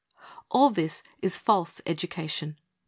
All this is false education.